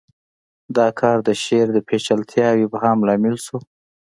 دا کار د شعر د پیچلتیا او ابهام لامل شو